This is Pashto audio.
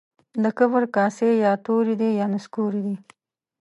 د کبر کاسې يا توري دي يا نسکوري دي.